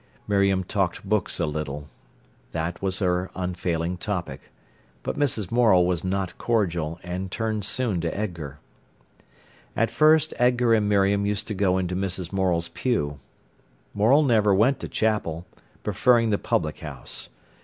Miriam talked books a little. That was her unfailing topic. But Mrs. Morel was not cordial, and turned soon to Edgar. At first Edgar and Miriam used to go into Mrs. Morel's pew. Morel never went to chapel, preferring the public house.